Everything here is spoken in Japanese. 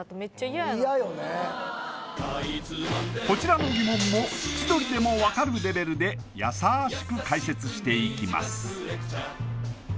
こちらの疑問も千鳥でも分かるレベルでやさしく解説していきます